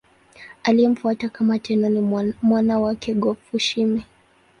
Aliyemfuata kama Tenno ni mwana wake Go-Fushimi.